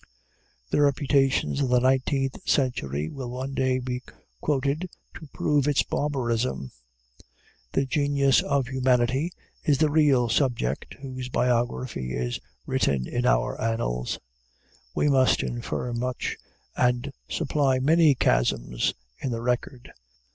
The reputations of the nineteenth century will one day be quoted to prove its barbarism. The genius of humanity is the real subject whose biography is written in our annals. We must infer much, and supply many chasms in the record.